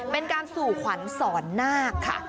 เป็นการสู่ขวัญสอนนาคค่ะ